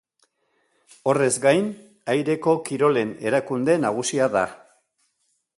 Horrez gain, aireko-kirolen erakunde nagusia da.